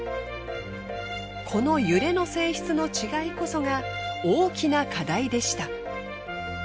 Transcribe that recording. この揺れの性質の違いこそが大きな課題でした。